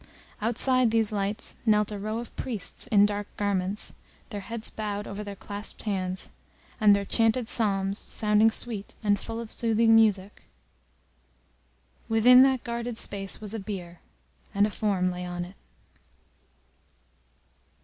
Outside these lights knelt a row of priests in dark garments, their heads bowed over their clasped hands, and their chanted psalms sounding sweet, and full of soothing music. Within that guarded space was a bier, and a form lay on it.